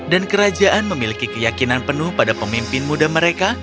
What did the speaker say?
dan kerajaan memiliki keyakinan penuh pada pemimpin muda mereka